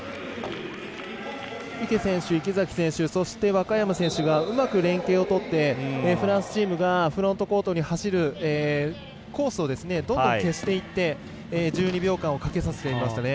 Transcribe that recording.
池選手、池崎選手若山選手が、うまく連係をとってフランスチームがフロントコートに走るコースをどんどん消していって１２秒間をかけさせていましたね。